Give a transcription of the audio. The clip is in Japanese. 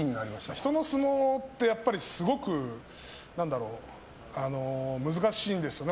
人の相撲って、やっぱりすごく難しいんですよね。